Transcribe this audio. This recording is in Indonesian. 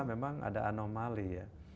memang ada anomali ya